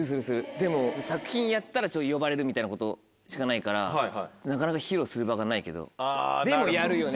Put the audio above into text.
でも作品やったら呼ばれるみたいなことしかないからなかなか披露する場がないけどでもやるよね。